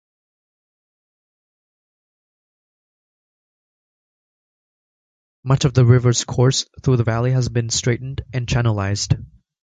Much of the river's course through the valley has been straightened and channelized.